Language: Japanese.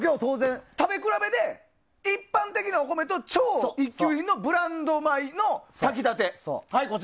食べ比べで一般的なお米と超一級品のブランド米の炊き立て。